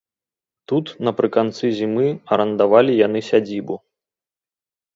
Тут напрыканцы зімы арандавалі яны сядзібу.